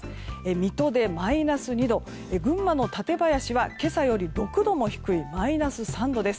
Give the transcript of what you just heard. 水戸でマイナス２度群馬の舘林は今朝より６度も低いマイナス３度です。